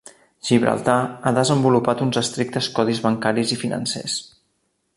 Gibraltar ha desenvolupat uns estrictes codis bancaris i financers.